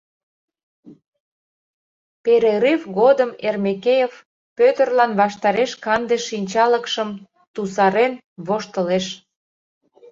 Перерыв годым Эрмекеев Пӧтырлан ваштареш канде шинчалыкшым тусарен воштылеш: